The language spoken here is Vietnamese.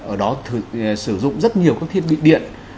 ở đó sử dụng rất nhiều các thiết bị điện